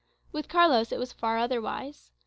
With Carlos it was far otherwise.